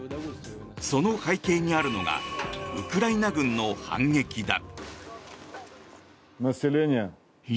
その背景にあるのがウクライナ軍の反撃だ。